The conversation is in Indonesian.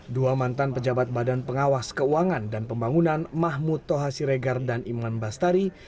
dua mantan pejabat badan pengawas keuangan dan pembangunan mahmud toha siregar dan imlan bastari